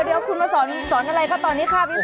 เดี๋ยวคุณมาสอนอะไรครับตอนนี้สอนอะไรคะ